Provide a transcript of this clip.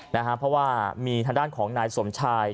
เพราะว่ามีทางด้านของนายสมชาย